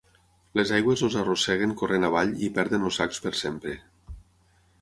Les aigües els arrosseguen corrent avall i perden els sacs per sempre.